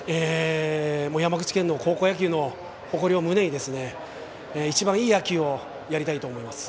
山口県の高校野球の誇りを胸に一番いい野球をやりたいと思います。